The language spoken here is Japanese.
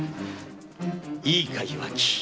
いいか岩城。